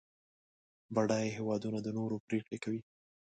بډایه هېوادونه د نورو پرېکړې کوي.